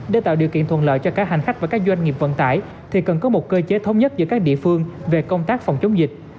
để tạo điều kiện thuận lợi cho cả hành khách và các doanh nghiệp vận tải thì cần có một cơ chế thống nhất giữa các địa phương về công tác phòng chống dịch